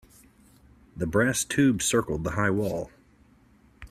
The brass tube circled the high wall.